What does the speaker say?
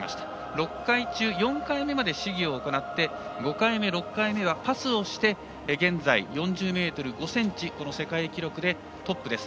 ６回中４回目まで試技を行って５回目、６回目はパスをして現在４０ｍ５ｃｍ世界記録でトップです。